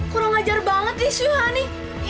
kurang ajar banget nih suhani